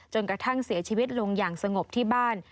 กระทั่งเสียชีวิตลงอย่างสงบที่บ้าน